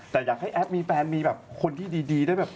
แต่อยากให้แอปมีแฟนมีแบบคนที่ดีได้แบบ